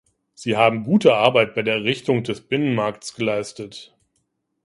Sie haben gute Arbeit bei der Errichtung des Binnenmarkts geleistet.